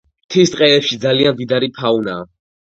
მთის ტყეებშიძალიან მდიდარი ფაუნაა.